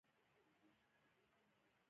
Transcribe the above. یاقوت د افغانستان د سیلګرۍ برخه ده.